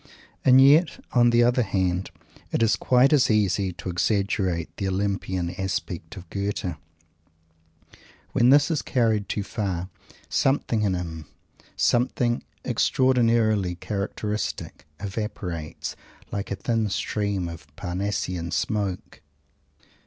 And yet, on the other hand, it is quite as easy to exaggerate the Olympian aspect of Goethe. When this is carried too far, something in him, something extraordinarily characteristic, evaporates, like a thin stream of Parnassian smoke.